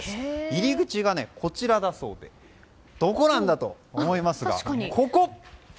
入り口がこちらだそうでどこなんだ？と思いますが、ここ。